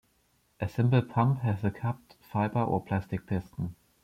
A simple pump has a cupped fiber or plastic piston.